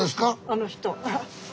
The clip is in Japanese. あの人。